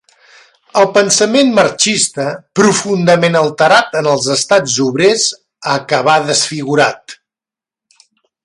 El pensament marxista, profundament alterat en els estats obrers, acabà desfigurat.